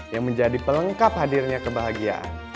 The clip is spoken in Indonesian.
yang menjadi pelengkap hadirnya kebahagiaan